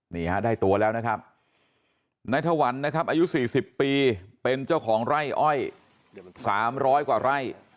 นี่ฮะได้ตัวแล้วนะครับนายถวันนะครับอายุ๔๐ปีเป็นเจ้าของไร่อ้อย๓๐๐กว่าไร่